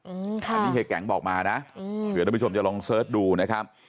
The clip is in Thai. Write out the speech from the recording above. อันนี้เฮียแก๊งบอกมานะเผื่อท่านผู้ชมจะลองเสิร์ชดูนะครับ